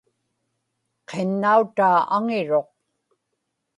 qinnautaa aŋiruq